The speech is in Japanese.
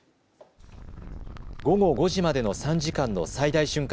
午後５時までの３時間の最大瞬間